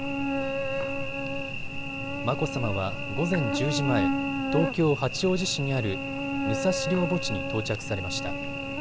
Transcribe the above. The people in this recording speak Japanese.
眞子さまは午前１０時前、東京八王子市にある武蔵陵墓地に到着されました。